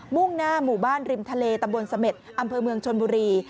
่งหน้าหมู่บ้านริมทะเลตำบลเสม็ดอำเภอเมืองชนบุรี